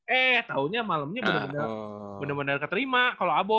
eh taunya malemnya bener bener keterima kalo abo